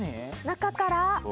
・中から。